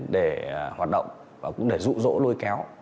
để hoạt động và cũng để rụ rỗ lôi kéo